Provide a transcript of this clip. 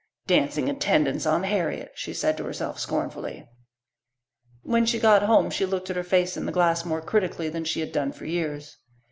"Dancing attendance on Harriet," she said to herself scornfully. When she got home she looked at her face in the glass more critically than she had done for years.